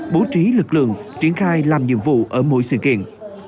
bố trí lực lượng triển khai làm nhiệm vụ ở mỗi sự kiện